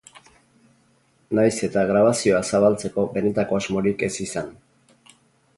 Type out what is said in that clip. Nahiz eta grabazioa zabaltzeko benetako asmorik ez izan.